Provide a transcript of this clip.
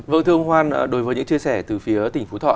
vâng thưa ông hoan đối với những chia sẻ từ phía tỉnh phú thọ